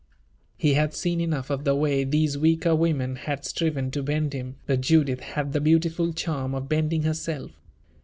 He had seen enough of the way these weaker women had striven to bend him, but Judith had the beautiful charm of bending herself.